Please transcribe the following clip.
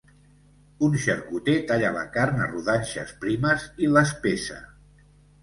Un xarcuter talla la carn a rodanxes primes i les pesa.